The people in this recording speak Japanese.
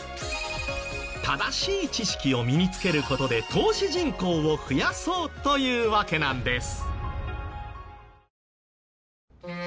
正しい知識を身につける事で投資人口を増やそうというわけなんです。